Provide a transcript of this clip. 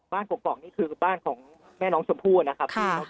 กรอกนี่คือบ้านของแม่น้องชมพู่นะครับ